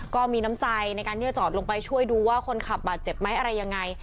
ก็มีน้ำใจในการที่จะจอดลงไปช่วยดูว่าคนขับบาดเจ็บไหมอะไรยังไง